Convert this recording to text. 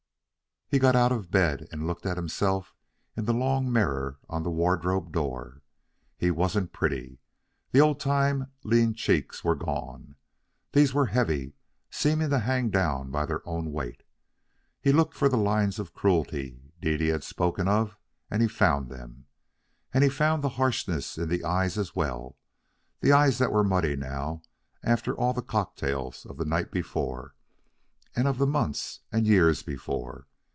He got out of bed and looked at himself in the long mirror on the wardrobe door. He wasn't pretty. The old time lean cheeks were gone. These were heavy, seeming to hang down by their own weight. He looked for the lines of cruelty Dede had spoken of, and he found them, and he found the harshness in the eyes as well, the eyes that were muddy now after all the cocktails of the night before, and of the months and years before.